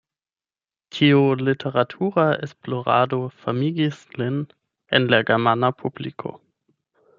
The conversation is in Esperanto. Tiu literatura esplorado famigis lin en la germana publiko.